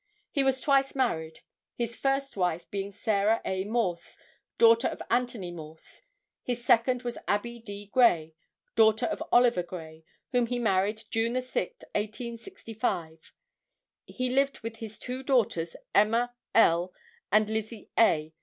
He was twice married, his first wife being Sarah A. Morse, daughter of Anthony Morse. His second was Abbie D. Gray, daughter of Oliver Gray, whom he married on June 6, 1865. He lived with his two daughters Emma L. and Lizzie A.